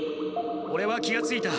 オレは気がついた。